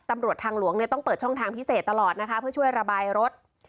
ตำรวจทางหลวงเนี่ยต้องเปิดช่องทางพิเศษตลอดนะคะเพื่อช่วยระบายรถ